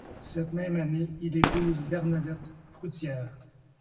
Cette même année, il épouse Bernadette Proutiere.